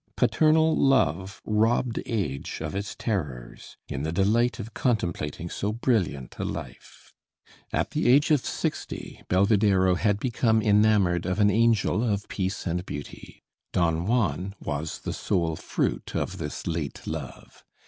Paternal love robbed age of its terrors in the delight of contemplating so brilliant a life. At the age of sixty, Belvidéro had become enamored of an angel of peace and beauty. Don Juan was the sole fruit of this late love.